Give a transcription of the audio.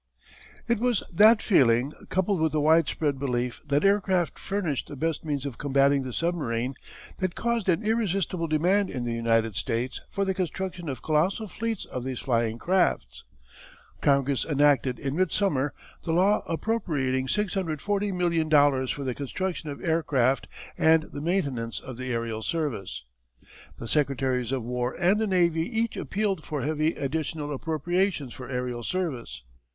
It was that feeling, coupled with the wide spread belief that aircraft furnished the best means of combating the submarine, that caused an irresistible demand in the United States for the construction of colossal fleets of these flying crafts. Congress enacted in midsummer the law appropriating $640,000,000 for the construction of aircraft and the maintenance of the aërial service. The Secretaries of War and the Navy each appealed for heavy additional appropriations for aërial service.